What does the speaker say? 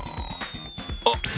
あっ！